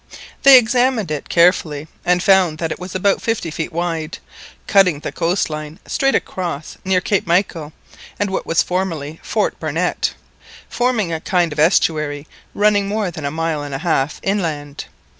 They examined it carefully, and found that it was about fifty feet wide, cutting the coast line straight across near Cape Michael and what was formerly Fort Barnett, forming a kind of estuary running more than a mile and a half inland.